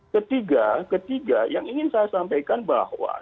ketiga ketiga yang ingin saya sampaikan bahwa